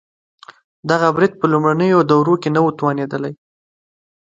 دغه برید په لومړنیو دورو کې نه و توانېدلی.